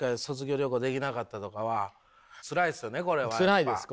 つらいです